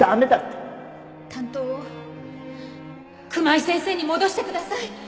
担当を熊井先生に戻してください。